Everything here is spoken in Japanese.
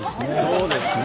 そうですね。